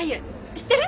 知ってる？